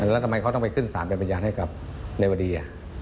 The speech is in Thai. แล้วก็ทำไมเขาต้องไปขึ้น๓แบบริยานให้กับเลวดี